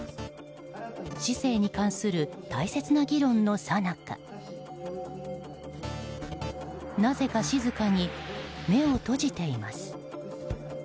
市政に関する大切な議論のさなかなぜか静かに目を閉じています。